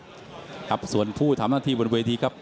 มาจากเอฟรีกรุ๊ปมีเข่าทั้งนั้นเลยครับ